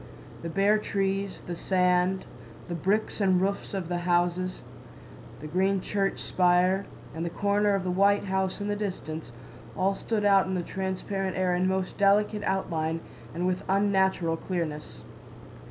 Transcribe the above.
The bare trees, the sand, the bricks and roofs of the houses, the green church spire, and the corners of the white house in the distance, all stood out in the transparent air in most delicate outline and with unnatural clearness.